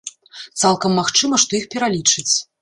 Цалкам магчыма, што іх пералічаць.